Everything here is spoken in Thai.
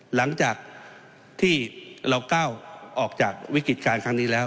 หลังจากที่เราก้าวออกจากวิกฤติการครั้งนี้แล้ว